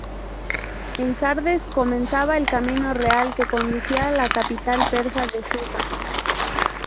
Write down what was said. En Sardes comenzaba el camino real que conducía a la capital persa de Susa.